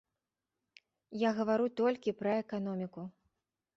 Я гавару толькі пра эканоміку.